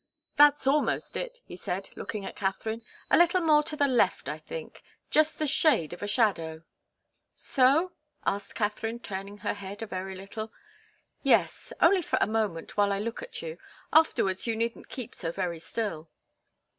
"That's almost it," he said, looking at Katharine. "A little more to the left, I think just the shade of a shadow!" "So?" asked Katharine, turning her head a very little. "Yes only for a moment while I look at you. Afterwards you needn't keep so very still."